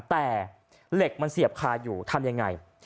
แต่เหล็กมันเสียบคาอยู่ทำยังไง